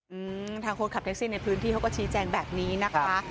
อืมทางคนขับแท็กซี่ในพื้นที่เขาก็ชี้แจงแบบนี้นะคะ